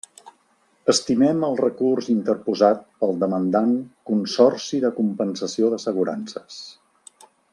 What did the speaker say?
Estimem el recurs interposat pel demandant Consorci de Compensació d'Assegurances.